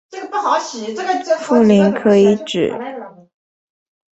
富临可以指